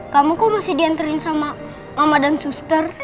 kamu kok masih diantarin sama mama dan suster